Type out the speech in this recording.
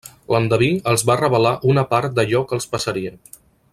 L'endeví els va revelar una part d'allò que els passaria.